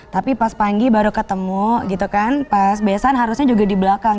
tapi pas panggil baru ketemu gitu kan pas besan harusnya juga di belakang